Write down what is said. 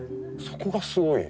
そこがすごい。